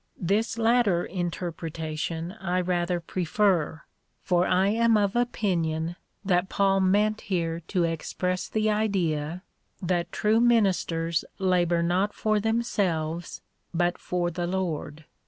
This latter interpretation I rather prefer, for I am of opinion, that Paul meant here to express the idea, that true minis ters labour not for themselves, but for the Lord.